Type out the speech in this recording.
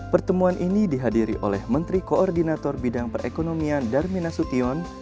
pertemuan ini dihadiri oleh menteri koordinator bidang perekonomian darmin nasution